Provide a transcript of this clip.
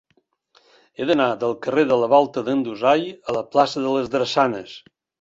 He d'anar del carrer de la Volta d'en Dusai a la plaça de les Drassanes.